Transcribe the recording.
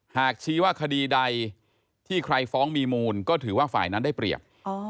หากชี้ว่าคดีใดที่ใครฟ้องมีมูลก็ถือว่าฝ่ายนั้นได้เปรียบ